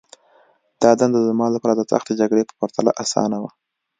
دا دنده زما لپاره د سختې جګړې په پرتله آسانه وه